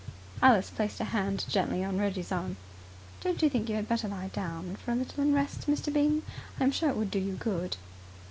Alice placed a hand gently on Reggie's arm. "Don't you think you had better lie down for a little and rest, Mr. Byng? I'm sure it would do you good."